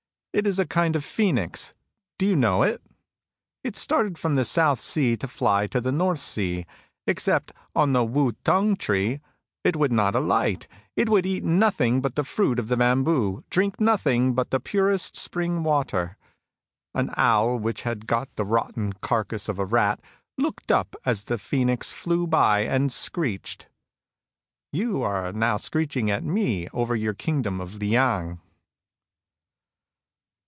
It is a kind of phoenix. Do you know it ? It started from the south sea to fly to the north sea. Ex cept on the tvu fung tree, it would not alight. It would eat nothing but the fruit of the bamboo, drink nothing but the purest spring water. An owl which had got the rotten carcass of a rat, looked up as the phoenix flew by, and screeched. Are you not screeching at me over your kingdom of Liang